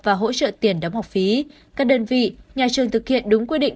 và hỗ trợ tiền đóng học phí các đơn vị nhà trường thực hiện đúng quy định